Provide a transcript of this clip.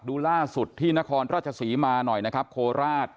ดูล่าสุดที่นครราชศรีมาหน่อยนะครับโคราช